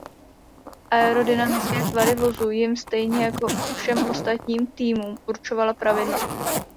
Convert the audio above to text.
Aerodynamické tvary vozu jim stejně jako všem ostatním týmům určovala pravidla.